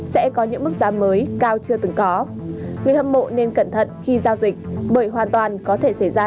sẽ có những mức giá mới cao chưa từng có người hâm mộ nên cẩn thận khi giao dịch bởi hoàn toàn có thể xảy ra